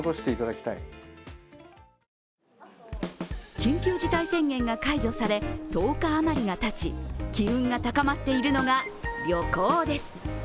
緊急事態宣言が解除され１０日余りがたち機運が高まっているのが旅行です。